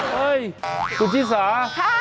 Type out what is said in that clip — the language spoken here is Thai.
เฮ้ยตุจิสาค่ะ